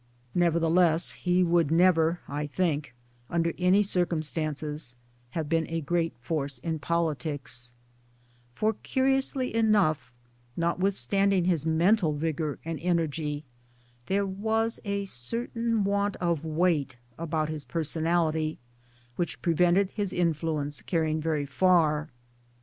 Nevertheless he would never I think under any circumstances have been a great force in politics >; for curiously enough notwithstand ing) his mental vigour and energy there was a certain want of weight about his personality which prevented his influence carrying very far.